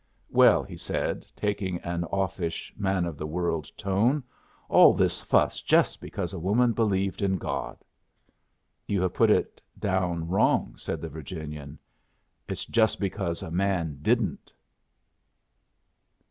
"Well," he said, taking an offish, man of the world tone, "all this fuss just because a woman believed in God." "You have put it down wrong," said the Virginian; "it's just because a man didn't."